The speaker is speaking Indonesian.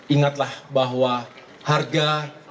ingatlah bahwa harga